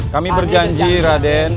kami berjanji raden